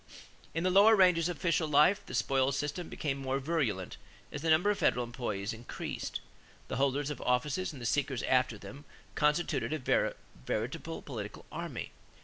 In the lower ranges of official life, the spoils system became more virulent as the number of federal employees increased. The holders of offices and the seekers after them constituted a veritable political army.